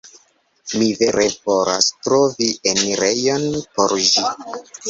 Mi vere volas trovi enirejon por ĝi